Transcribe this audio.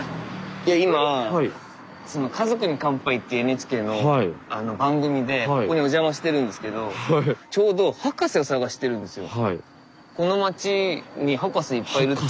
いや今「家族に乾杯」っていうＮＨＫの番組でここにお邪魔してるんですけどちょうどこの町に博士いっぱいいるって。